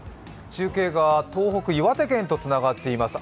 中継が東北・岩手県とつながっています。